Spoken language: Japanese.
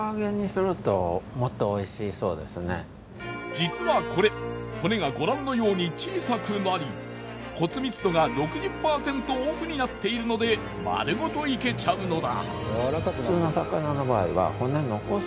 実はこれ骨がご覧のように小さくなり骨密度が６０％オフになっているので丸ごといけちゃうのだ。